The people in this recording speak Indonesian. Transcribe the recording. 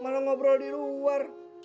malah ngobrol di luar